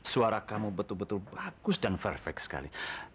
suara kamu betul betul bagus dan verfect sekali